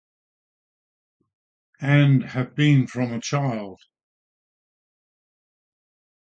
And have been from a child.